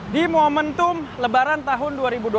di momentum lebaran tahun dua ribu dua puluh